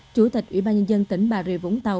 chủ tịch ủy ban nhân dân tỉnh bà rịa vũng tàu